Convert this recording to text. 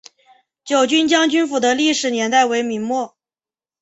九军将军府的历史年代为明末。